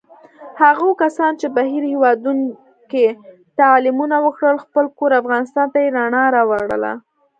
هغو کسانو چې بهر هېوادونوکې تعلیمونه وکړل، خپل کور افغانستان ته یې رڼا راوړله.